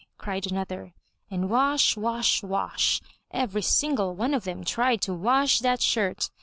cried another, and wash, wash, wash, — every single one of them tried to wash that shirt.